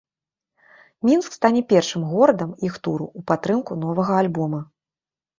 Мінск стане першым горадам іх туру ў падтрымку новага альбома.